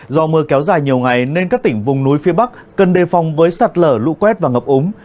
do mưa kéo dài nhiều ngày nên các tỉnh vùng núi phía bắc cần đề phòng với sạt lở lũ quét và ngập úng